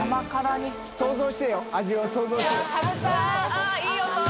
あっいい音。